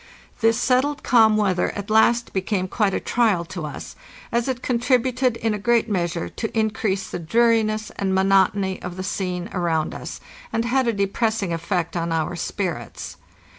This settled calm weather at last became quite a trial to us, as it con tributed in a great measure to increase the dreariness and monot ony of the scene around us, and had a depressing effect on our spirits.